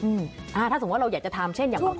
ถ้าสมมุติว่าเราอยากจะทำเช่นอย่างบางคน